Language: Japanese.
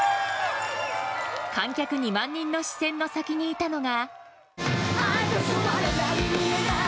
観客２万人の視線の先にいたのが。